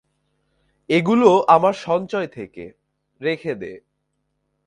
এগুলো আমার সঞ্চয় থেকে, রেখে দে।